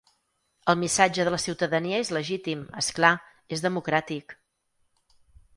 El missatge de la ciutadania és legítim, és clar, és democràtic.